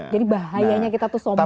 jadi bahayanya kita itu sombong